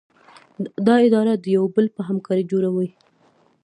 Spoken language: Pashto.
دا اداره د یو بل په همکارۍ جوړه وي.